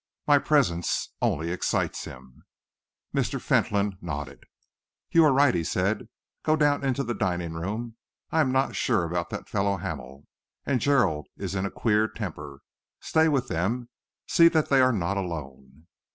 My presence only excites him." Mr. Fentolin nodded. "You are right," he said. "Go down into the dining room. I am not sure about that fellow Hamel, and Gerald is in a queer temper. Stay with them. See that they are not alone."